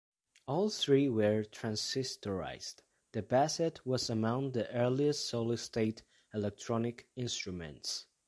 All three were transistorized; the Basset was among the earliest solid-state electronic instruments.